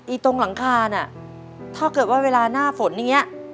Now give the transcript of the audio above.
ไอ้ตรงหลังคาถ้าเกิดเวลาหน้าฝนอย่างงี้